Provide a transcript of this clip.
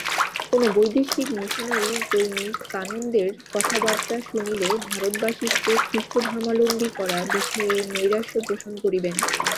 কোন বৈদেশিক মিশনরী কর্মী কানন্দের কথাবার্তা শুনিলে ভারতবাসীকে খ্রীষ্টধর্মাবলম্বী করা বিষয়ে নৈরাশ্য পোষণ করিবেন।